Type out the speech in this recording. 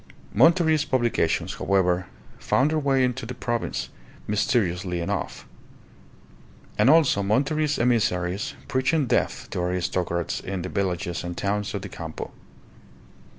Monterist publications, however, found their way into the province, mysteriously enough; and also Monterist emissaries preaching death to aristocrats in the villages and towns of the Campo.